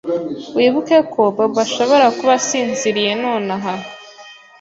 Wibuke ko Bobo ashobora kuba asinziriye nonaha.